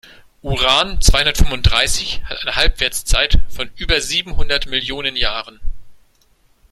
Uran-zweihundertfünfunddreißig hat eine Halbwertszeit von über siebenhundert Millionen Jahren.